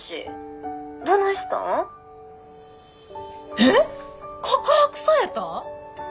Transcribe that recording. えっ告白された！？